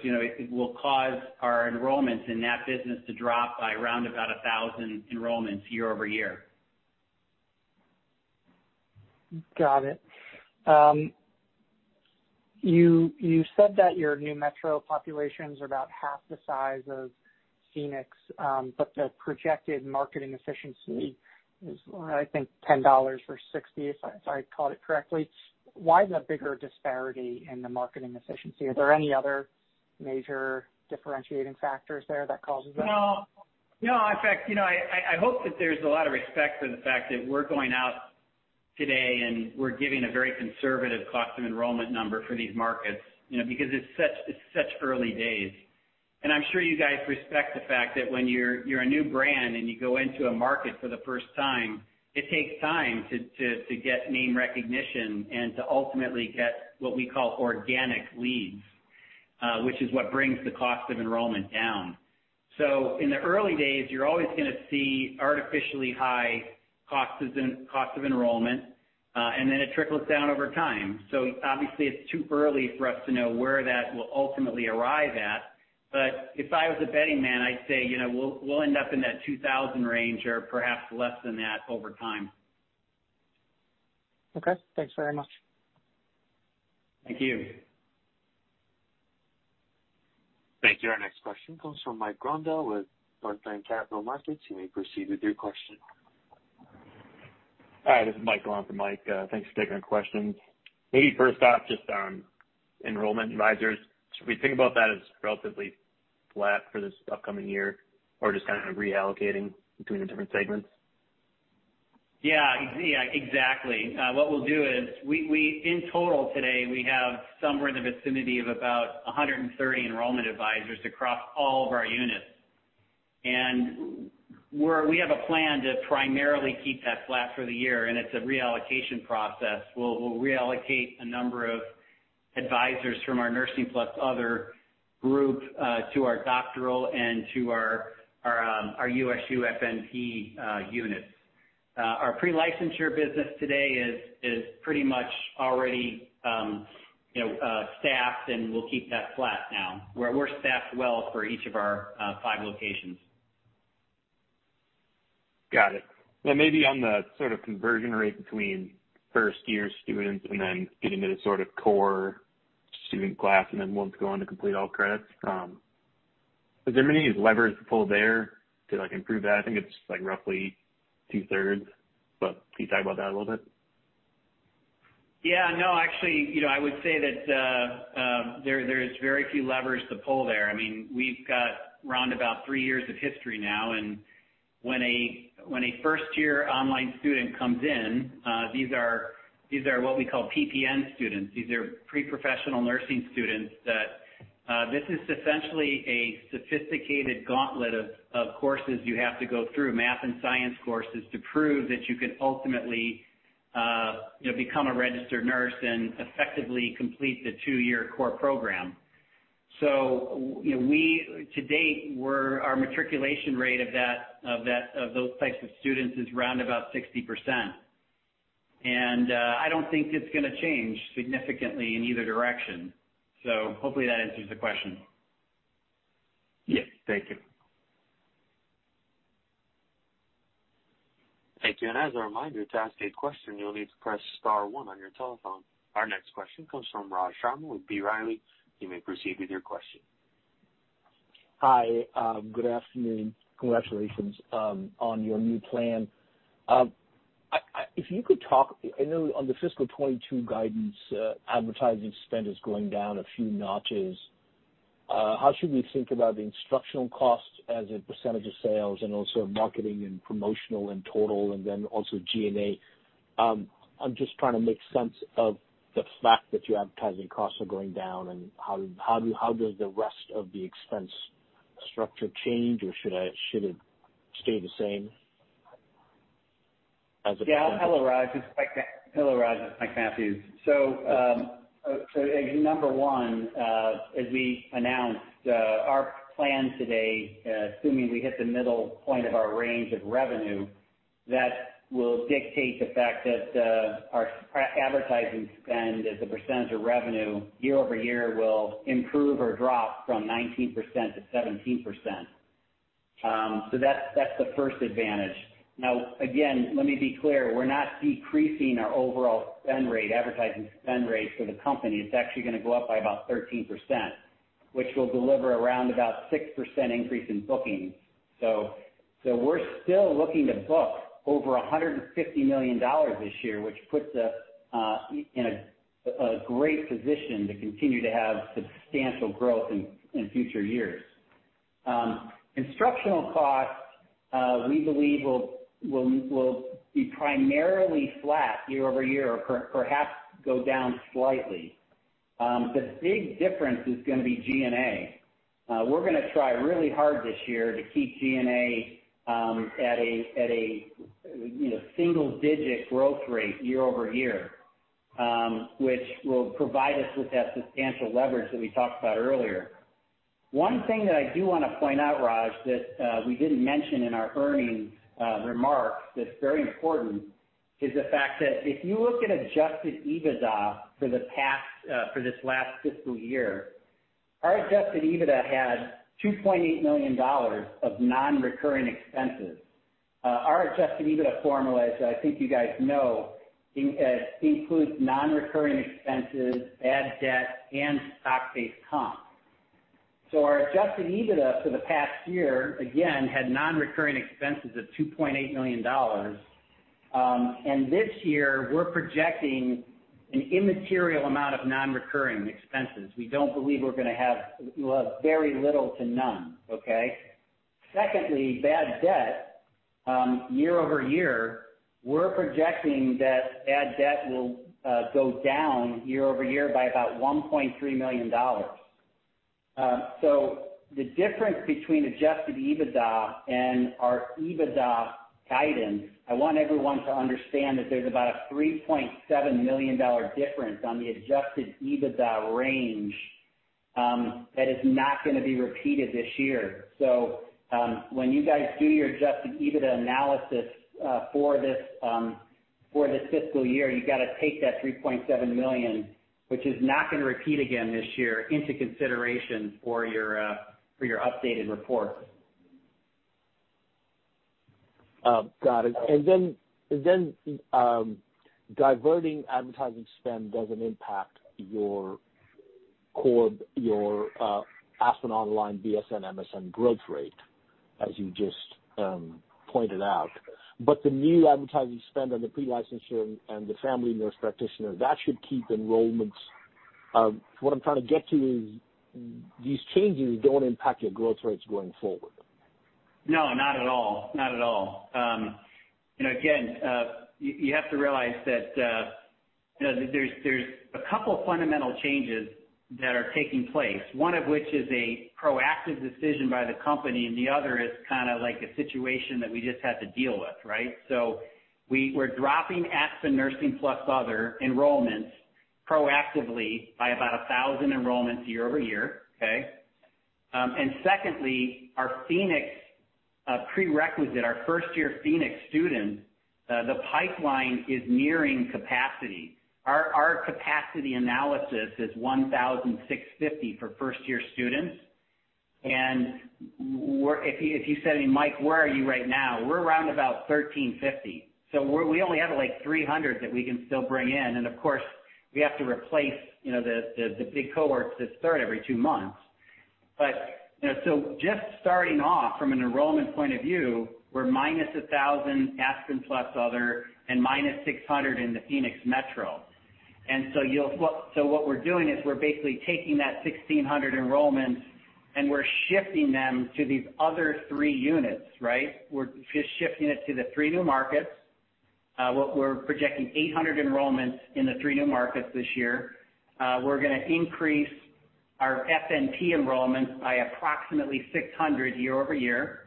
it will cause our enrollments in that business to drop by around about 1,000 enrollments year-over-year. Got it. You said that your new metro population is about half the size of Phoenix, but the projected marketing efficiency is, I think, $10 for $60, if I called it correctly. Why the bigger disparity in the marketing efficiency? Are there any other major differentiating factors there that causes that? No. In fact, I hope that there's a lot of respect for the fact that we're going out today and we're giving a very conservative cost of enrollment number for these markets, because it's such early days. I'm sure you guys respect the fact that when you're a new brand and you go into a market for the first time, it takes time to get name recognition and to ultimately get what we call organic leads, which is what brings the cost of enrollment down. In the early days, you're always going to see artificially high cost of enrollment, and then it trickles down over time. Obviously, it's too early for us to know where that will ultimately arrive at. If I was a betting man, I'd say we'll end up in that $2,000 range or perhaps less than that over time. Okay. Thanks very much. Thank you. Thank you. Our next question comes from Mike Grondahl with Northland Capital Markets. You may proceed with your question. Hi, this is Michael on for Mike. Thanks for taking my questions. Maybe first off, just on enrollment advisors, should we think about that as relatively flat for this upcoming year or just kind of reallocating between the different segments? Yeah, exactly. What we'll do is, in total today, we have somewhere in the vicinity of about 130 enrollment advisors across all of our units. We have a plan to primarily keep that flat for the year, and it's a reallocation process. We'll reallocate a number of advisors from our Nursing + Other group to our doctoral and to our USU-FNP units. Our pre-licensure business today is pretty much already staffed, and we'll keep that flat now, where we're staffed well for each of our five locations. Got it. Maybe on the sort of conversion rate between first-year students and then getting to the sort of core student class and then ones going to complete all credits. Is there many levers to pull there to improve that? I think it's roughly 2/3, but can you talk about that a little bit? Yeah, no, actually, I would say that there is very few levers to pull there. We've got around about three years of history now. When a first-year online student comes in, these are what we call PPN students. These are pre-professional nursing students that this is essentially a sophisticated gauntlet of courses you have to go through, math and science courses, to prove that you can ultimately become a registered nurse and effectively complete the two-year core program. To date, our matriculation rate of those types of students is around about 60%. I don't think it's going to change significantly in either direction. Hopefully that answers the question. Yes. Thank you. Thank you. As a reminder, to ask a question, you'll need to press star one on your telephone. Our next question comes from Raj Sharma with B. Riley. You may proceed with your question. Hi. Good afternoon. Congratulations on your new plan. If you could talk, I know on the fiscal 2022 guidance, advertising spend is going down a few notches. How should we think about the instructional costs as a percentage of sales, and also marketing and promotional and total, and then also G&A? I'm just trying to make sense of the fact that your advertising costs are going down and how does the rest of the expense structure change, or should it stay the same as a percent? Yeah. Hello, Raj. It's Mike Mathews. Number one, as we announced our plan today, assuming we hit the middle point of our range of revenue, that will dictate the fact that our advertising spend as a percentage of revenue year-over-year will improve or drop from 19% to 17%. That's the first advantage. Now, again, let me be clear, we're not decreasing our overall spend rate, advertising spend rate for the company. It's actually going to go up by about 13%, which will deliver around about 6% increase in bookings. We're still looking to book over $150 million this year, which puts us in a great position to continue to have substantial growth in future years. Instructional costs, we believe will be primarily flat year-over-year or perhaps go down slightly. The big difference is going to be G&A. We're going to try really hard this year to keep G&A at a single-digit growth rate year-over-year, which will provide us with that substantial leverage that we talked about earlier. One thing that I do want to point out, Raj, that we didn't mention in our earnings remarks that's very important, is the fact that if you look at adjusted EBITDA for this last fiscal year, our adjusted EBITDA had $2.8 million of non-recurring expenses. Our adjusted EBITDA formula, as I think you guys know, includes non-recurring expenses, bad debt, and stock-based comp. Our adjusted EBITDA for the past year, again, had non-recurring expenses of $2.8 million. This year we're projecting an immaterial amount of non-recurring expenses. We'll have very little to none. Okay. Secondly, bad debt. Year-over-year, we're projecting that bad debt will go down year-over-year by about $1.3 million. The difference between adjusted EBITDA and our EBITDA guidance, I want everyone to understand that there's about a $3.7 million difference on the adjusted EBITDA range that is not going to be repeated this year. When you guys do your adjusted EBITDA analysis for this fiscal year, you got to take that $3.7 million, which is not going to repeat again this year, into consideration for your updated report. Got it. Diverting advertising spend doesn't impact your Aspen Online BSN-MSN growth rate, as you just pointed out. The new advertising spend on the pre-licensure and the family nurse practitioner should keep enrollments. These changes don't impact your growth rates going forward? No, not at all. Again, you have to realize that there's a couple fundamental changes that are taking place. One of which is a proactive decision by the company, and the other is kind of like a situation that we just have to deal with, right? We're dropping Aspen Nursing + Other enrollments proactively by about 1,000 enrollments year-over-year. Okay? Secondly, our Phoenix prerequisite, our first-year Phoenix students, the pipeline is nearing capacity. Our capacity analysis is 1,650 for first-year students. If you said to me, "Mike, where are you right now?" We're around about 1,350. We only have like 300 that we can still bring in. Of course, we have to replace the big cohorts that start every two months. Just starting off from an enrollment point of view, we're -1,000 Aspen Nursing + Other, and -600 in the Phoenix metro. What we're doing is we're basically taking that 1,600 enrollments and we're shifting them to these other three units, right? We're just shifting it to the three new markets. We're projecting 800 enrollments in the three new markets this year. We're going to increase our FNP enrollments by approximately 600 year-over-year.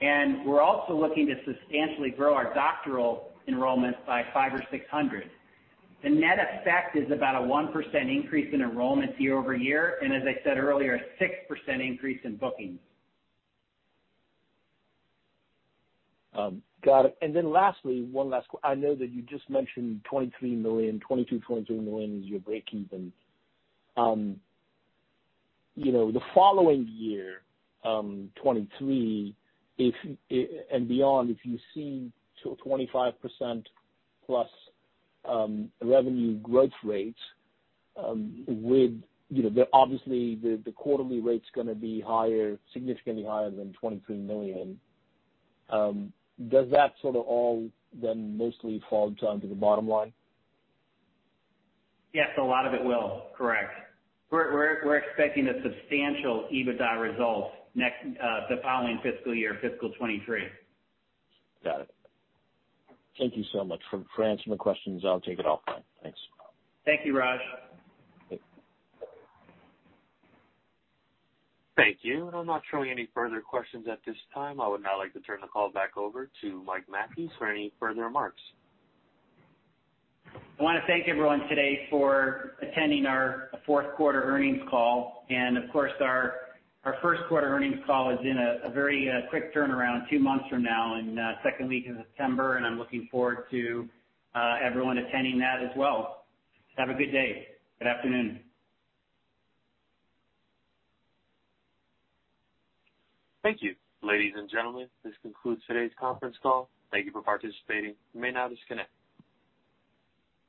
We're also looking to substantially grow our doctoral enrollments by 500 or 600. The net effect is about a 1% increase in enrollments year-over-year, and as I said earlier, a 6% increase in bookings. Got it. Lastly, one last question. I know that you just mentioned $23 million, $22 million-$23 million is your breakeven. The following year, 2023 and beyond, if you see 25%+ revenue growth rates, obviously the quarterly rate's going to be higher, significantly higher than $23 million. Does that sort of all then mostly fall down to the bottom line? Yes, a lot of it will. Correct. We're expecting a substantial EBITDA result the following fiscal year, fiscal 2023. Got it. Thank you so much for answering my questions. I'll take it offline. Thanks. Thank you, Raj. Thanks. Thank you. I'm not showing any further questions at this time. I would now like to turn the call back over to Mike Mathews for any further remarks. I want to thank everyone today for attending our fourth quarter earnings call. Of course, our first quarter earnings call is in a very quick turnaround two months from now in the second week of September, and I'm looking forward to everyone attending that as well. Have a good day. Good afternoon. Thank you. Ladies and gentlemen, this concludes today's conference call. Thank you for participating. You may now disconnect.